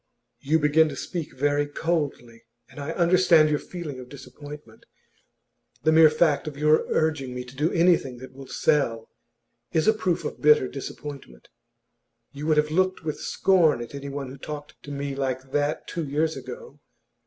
'You begin to speak very coldly. And I understand your feeling of disappointment. The mere fact of your urging me to do anything that will sell is a proof of bitter disappointment. You would have looked with scorn at anyone who talked to me like that two years ago.